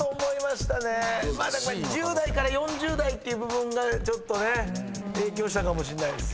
１０代から４０代っていう部分が影響したかもしんないです。